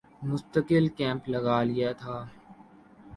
مستقل کیمپ لگا لیا تھا